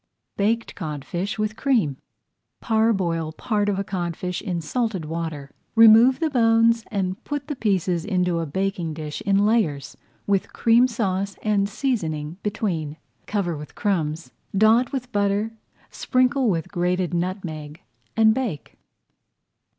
BAKED CODFISH WITH CREAM Parboil part of a codfish in salted water. Remove the bones and put the pieces into a baking dish in layers with Cream Sauce and seasoning between. Cover with crumbs, dot with butter, sprinkle with grated nutmeg, and bake.